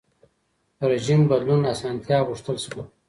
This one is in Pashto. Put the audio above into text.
رژیم بدلون اسانتیا غوښتل شوه.